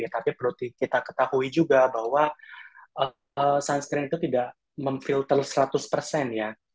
tapi kita ketahui juga bahwa sunscreen itu tidak memfilter seratus persen